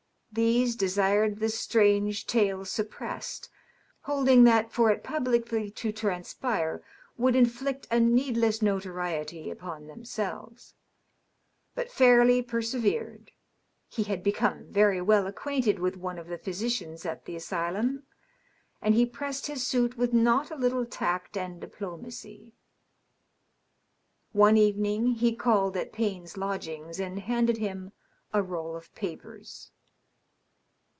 These desired the strange tale suppressed, holding that for it publicly to transpire would inflict a needless notoriety upon themselves. But Fairleigh persevered ; he had become very well acquainted with one of the physicians at the asylum, and he pressed his suit with not a little tact and diplomacy. One evening he called at Payne's lodgings and handed him a roll of papers.